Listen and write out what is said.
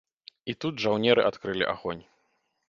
І тут жаўнеры адкрылі агонь.